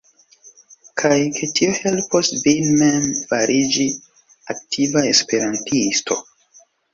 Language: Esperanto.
Kaj ke tio helpos vin mem fariĝi aktiva esperantisto.